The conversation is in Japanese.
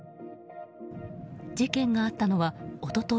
事件があったのは一昨日